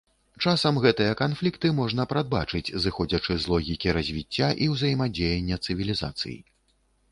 Часам гэтыя канфлікты можна прадбачыць зыходзячы з логікі развіцця і ўзаемадзеяння цывілізацый.